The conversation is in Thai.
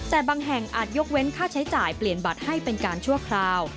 แต่บางแห่งอาจยกเว้นค่าใช้จ่ายเปลี่ยนบัตรให้เป็นการชั่วคราว